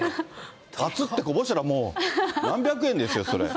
熱ってこぼしたらもう、何百円ですよ、それ。